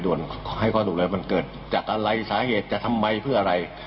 โดนให้ความรู้เรื่องมันเกิดจากอะไรสาเหตุจะทำไมเพื่ออะไร